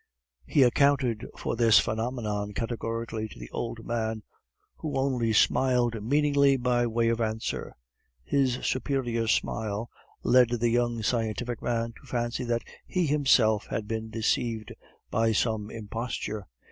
He accounted for this phenomenon categorically to the old man, who only smiled meaningly by way of answer. His superior smile led the young scientific man to fancy that he himself had been deceived by some imposture.